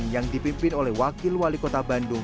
yang dipimpin oleh wakil wali kota bandung